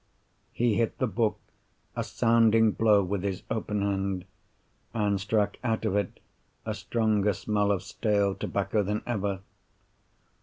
He hit the book a sounding blow with his open hand, and struck out of it a stronger smell of stale tobacco than ever.